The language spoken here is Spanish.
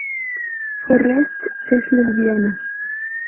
Forrest es lesbiana.